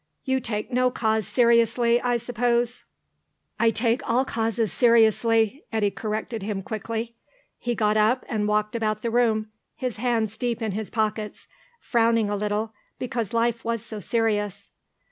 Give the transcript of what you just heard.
You take no cause seriously, I suppose." "I take all causes seriously," Eddy corrected him quickly. He got up, and walked about the room, his hands deep in his pockets, frowning a little because life was so serious.